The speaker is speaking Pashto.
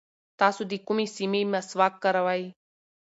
تاسو د کومې سیمې مسواک کاروئ؟